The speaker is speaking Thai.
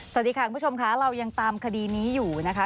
สวัสดีค่ะคุณผู้ชมค่ะเรายังตามคดีนี้อยู่นะคะ